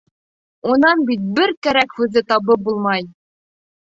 Унан бит бер кәрәк һүҙҙе табып булмай!